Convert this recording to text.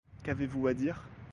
Qu'avez-vous à dire?